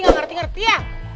gak ngerti ngerti ya